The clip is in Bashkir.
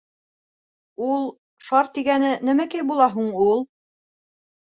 — Ул шар тигәне нәмәкәй була һуң ул?